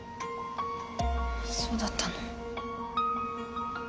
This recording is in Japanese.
そうだったの。